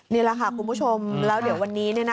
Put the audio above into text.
นี่แหละค่ะคุณผู้ชมแล้วเดี๋ยววันนี้